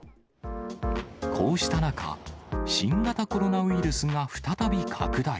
こうした中、新型コロナウイルスが再び拡大。